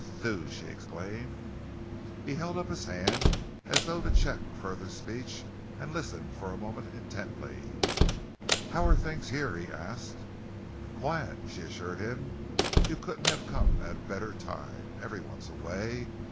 Thew!" she exclaimed. He held up his hand as though to check further speech, and listened for a moment intently. "How are things here?" he asked. "Quiet," she assured him. "You couldn't have come at a better time. Every one's away.